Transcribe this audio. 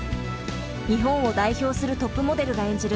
日本を代表するトップモデルが演じる